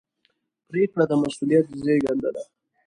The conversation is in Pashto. پرېکړه د مسؤلیت زېږنده ده.